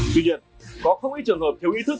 tuy nhiên có không ít trường hợp thiếu ý thức